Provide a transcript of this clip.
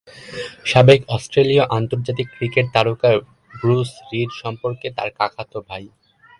সাবেক অস্ট্রেলীয় আন্তর্জাতিক ক্রিকেট তারকা ব্রুস রিড সম্পর্কে তার কাকাতো ভাই।